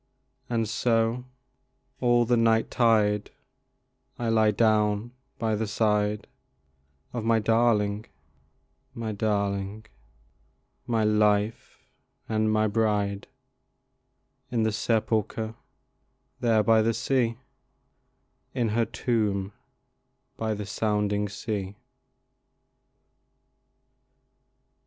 And so, all the night tide, I lie down by the side Of my darling my darling my life and my bride, In her sepulcher there by the sea In her tomb by the sounding sea.